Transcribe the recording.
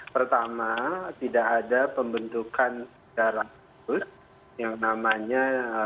pertama tidak ada pembentukan darah khusus yang namanya